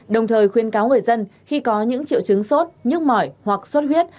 đồng thời khuyên cáo người dân khi có những triệu chứng sốt nhức mỏi hoặc sốt huyết